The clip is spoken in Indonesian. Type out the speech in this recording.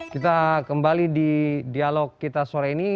kita kembali di dialog kita sore ini